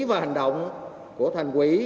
và hành động của thành quỷ